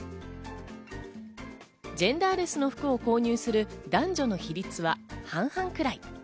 ジェンダーレスの服を購入する男女の比率は半々くらい。